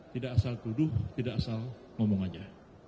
tidak asal tuduh tidak asal ngomong aja